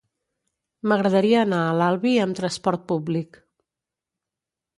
M'agradaria anar a l'Albi amb trasport públic.